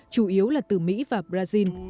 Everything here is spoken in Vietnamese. chủ yếu là từ mỹ và brazil